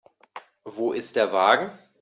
Wo ist der Wagen?